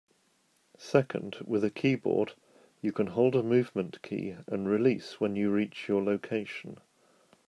Second, with a keyboard you can hold a movement key and release when you reach your location.